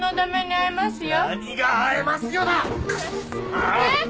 えっ？